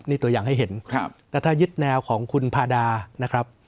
นี่ตัวอย่างให้เห็นแต่ถ้ายึดแนวของคุณพาดานะครับ